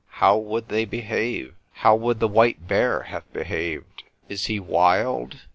How would they behave? How would the white bear have behaved? Is he wild?